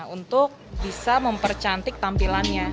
untuk bisa mempercantik tampilannya